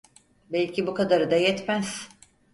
Belki bu kadarı da yetmez…